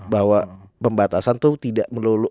bahwa pembatasan itu tidak melulu